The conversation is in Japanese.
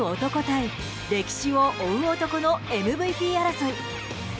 対歴史を追う男のＭＶＰ争い。